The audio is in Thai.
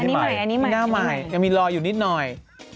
อันนี้ใหม่ยังมีหน้าหมากยังมีลอยอยู่นิดหน่อย